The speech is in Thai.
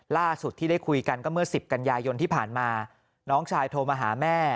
ล่าสุดที่ได้คุยกันก็เมื่อ๑๐กันยายนที่ผ่านมาน้องชายโทรมาหาแม่